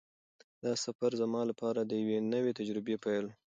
دا سفر زما لپاره د یوې نوې تجربې پیل و.